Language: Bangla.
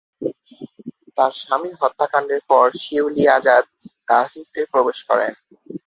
তার স্বামীর হত্যাকাণ্ডের পর, শিউলি আজাদ রাজনীতিতে প্রবেশ করেন।